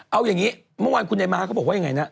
เอาอย่างนี้เมื่อวานคุณนายม้าเขาบอกว่ายังไงนะ